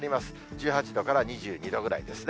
１８度から２２度ぐらいですね。